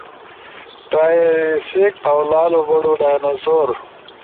ٹرائسک او لالو بڑو ڈائنوسور